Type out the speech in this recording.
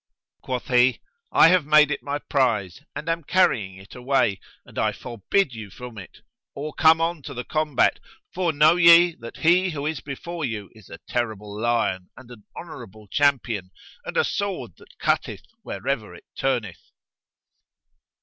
Quoth he, "I have made it my prize and am carrying it away; and I forbid you from it, or come on to the combat, for know ye that he who is before you is a terrible lion and an honourable champion, and a sword that cutteth wherever it turneth!"